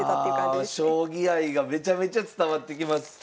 いやあ将棋愛がめちゃくちゃ伝わってきます。